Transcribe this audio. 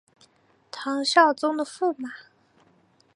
唐肃宗的驸马。